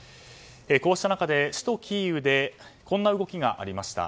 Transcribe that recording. こうした中で首都キーウでこんな動きがりました。